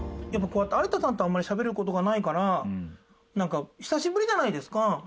やっぱこうやって有田さんとあんまりしゃべる事がないからなんか久しぶりじゃないですか。